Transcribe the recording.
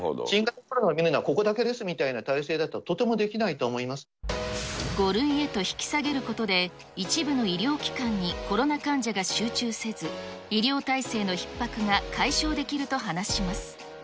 新型コロナを診るのはここだけですという体制だと、とてもできな５類へと引き下げることで、一部の医療機関にコロナ患者が集中せず、医療体制のひっ迫が解消できると話します。